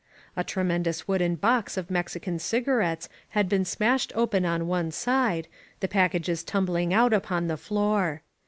A tremendous wooden box of Mexican cigarettes had been smashed open on one side, the packages tumbling out upon the floor.